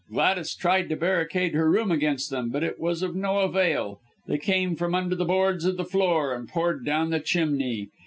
Gladys tried to barricade her room against them, but it was of no avail. They came from under the boards of the floor and poured down the chimney.